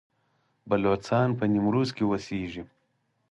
بلوڅان په نیمروز کې اوسیږي؟